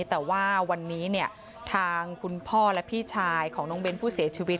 แต่ว่าวันนี้เนี่ยทางคุณพ่อและพี่ชายของน้องเบ้นผู้เสียชีวิต